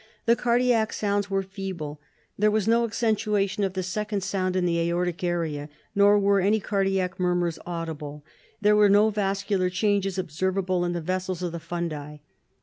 The cardiac sounds were feeble, there was no accentuation of the second sound in the aortic area, nor were any cardiac murmurs audible. There were no vascular changes observable in the vessels of the fundi.